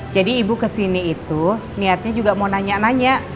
jadi ibu kesini itu niatnya juga mau nanya nanya